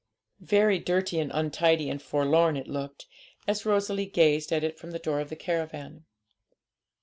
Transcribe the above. Very dirty and untidy and forlorn it looked, as Rosalie gazed at it from the door of the caravan.